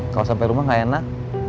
kalau sampai rumah gak enak